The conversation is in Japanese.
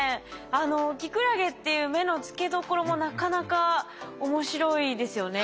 キクラゲっていう目の付けどころもなかなか面白いですよね。